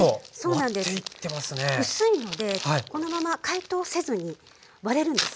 薄いのでこのまま解凍せずに割れるんです。